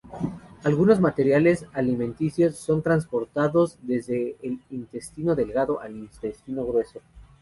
Algunos materiales alimenticios son transportados desde el intestino delgado al intestino grueso.